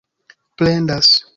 plendas